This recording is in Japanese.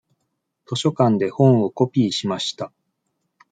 図書館で本をコピーしました。